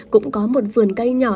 cũng có một vườn cây nhỏ